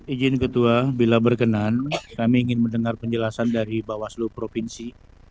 ijin ketua bila berkenan kami ingin mendengar penjelasan dari bawaslu provinsi